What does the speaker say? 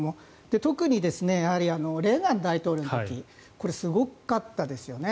特にレーガン大統領の時これ、すごかったですよね。